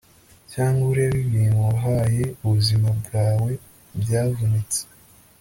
Cyangwa urebe ibintu wahaye ubuzima bwawe byavunitse